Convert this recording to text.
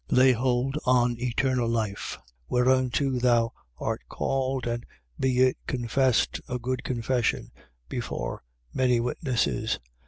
Lay hold on eternal life, whereunto thou art called and be it confessed a good confession before many witnesses.